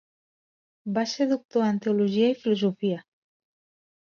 Va ser doctor en teologia i filosofia.